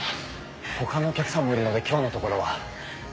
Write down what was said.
他のお客さんもいるので今日のところは。